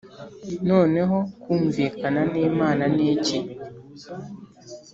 Noneho kumvikana n'Imana n'iki?